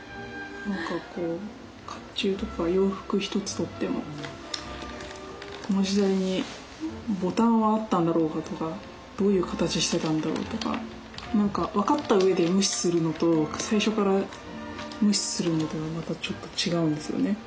何かこう甲冑とか洋服一つとってもこの時代にボタンはあったんだろうかとかどういう形してたんだろうとか何か分かった上で無視するのと最初から無視するのとはまたちょっと違うんですよね。